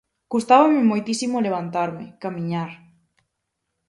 Custábame moitísimo levantarme, camiñar.